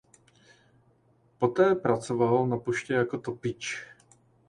Poté pracoval na poště a jako topič.